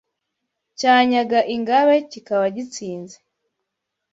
cyanyaga ingabe kikaba gitsinze